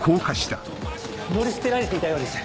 乗り捨てられていたようです。